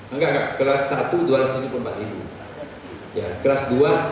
enggak enggak kelas satu dua ratus tujuh puluh empat